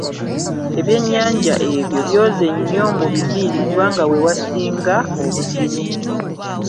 Ebyennyanja ebyo byoze nnyo mu biviiri kubanga we wasinga obuzibu.